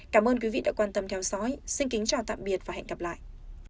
cảm ơn quý vị đã quan tâm theo dõi xin kính chào tạm biệt và hẹn gặp lại